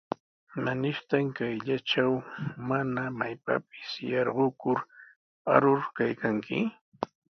¿Imanirtaq kayllatraw mana maypapis yarqukur arur kaykanki?